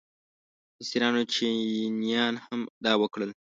مصریان او چینیان هم دا وکړل.